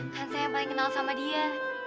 kan saya yang paling kenal sama dia